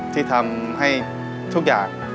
ที่ทำให้ทุกอย่าง